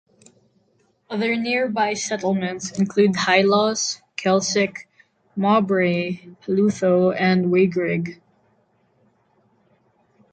Other nearby settlements include Highlaws, Kelsick, Mawbray, Pelutho, and Wheyrigg.